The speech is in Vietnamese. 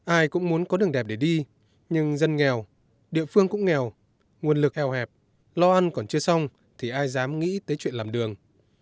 ai cũng muốn có đường đẹp để đi nhưng dân nghèo địa phương cũng nghèo nguồn lực eo hẹp lo ăn còn chưa xong thì ai dám nghĩ tới chuyện làm đường